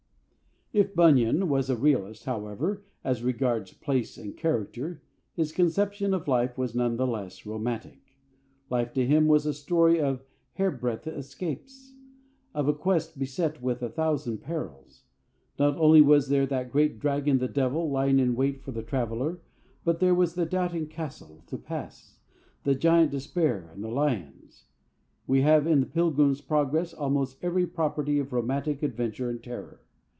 If Bunyan was a realist, however, as regards place and character, his conception of life was none the less romantic. Life to him was a story of hairbreadth escapes of a quest beset with a thousand perils. Not only was there that great dragon the Devil lying in wait for the traveller, but there was Doubting Castle to pass, and Giant Despair, and the lions. We have in The Pilgrim's Progress almost every property of romantic adventure and terror.